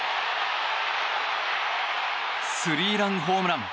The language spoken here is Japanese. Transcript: スリーランホームラン。